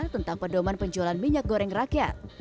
tentang pedoman penjualan minyak goreng rakyat